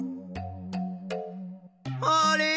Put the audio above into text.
あれ？